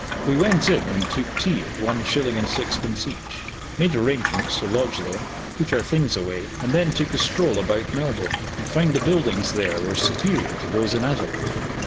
We went in and took tea at one shilling and sixpence each, made arrangements to lodge there, put our things away, and then took a stroll about Melbourne and found the buildings there were superior to those in Adelaide.